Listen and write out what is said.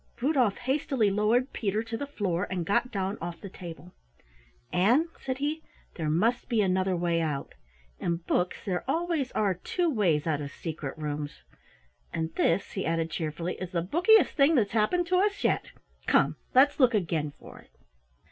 Rudolf hastily lowered Peter to the floor and got down off the table. "Ann," said he, "there must be another way out. In books there always are two ways out of secret rooms, and this," he added cheerfully, "is the bookiest thing that's happened to us yet. Come, let's look again for it."